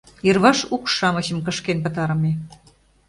Йырваш укш-шамычым кышкен пытарыме.